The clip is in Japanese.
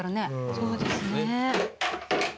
そうですね。